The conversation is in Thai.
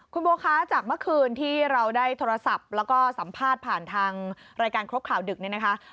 คุณโบคะจากเมื่อคืนที่เราได้โทรศัพท์แล้วก็สัมภาษณ์ผ่านทางรายการครบข่าวดึกเนี่ยนะคะ